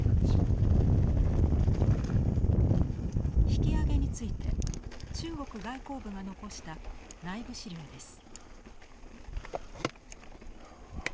引き揚げについて中国外交部が残した内部資料です。